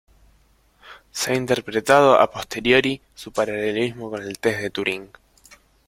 Se ha interpretado "a posteriori" su paralelismo con el test de Turing.